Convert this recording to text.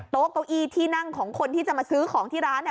โต๊ะเก้าอี้ที่นั่งของคนที่จะมาซื้อของที่ร้านเนี่ย